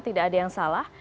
tidak ada yang salah